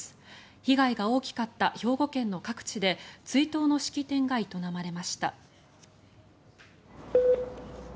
被害が大きかった兵庫県の各地で追悼の式典が営まれました。